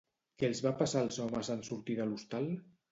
Què els va passar als homes en sortir de l'hostal?